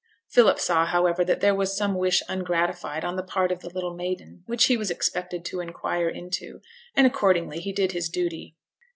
Philip saw, however, that there was some wish ungratified on the part of the little maiden which he was expected to inquire into, and, accordingly, he did his duty.